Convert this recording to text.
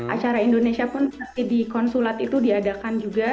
acara indonesia pun seperti di konsulat itu diadakan juga